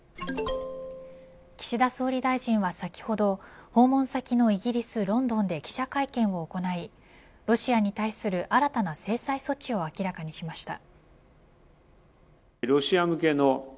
岸田総理大臣は先ほど訪問先のイギリスロンドンで記者会見を行いロシアに対する新たな制裁措置を明らかにしました。